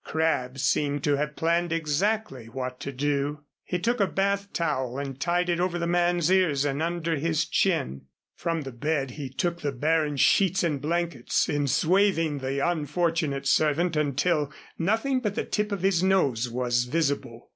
Crabb seemed to have planned exactly what to do. He took a bath towel and tied it over the man's ears and under his chin. From the bed he took the baron's sheets and blankets, enswathing the unfortunate servant until nothing but the tip of his nose was visible.